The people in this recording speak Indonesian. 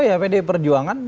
oh ya pd perjuangan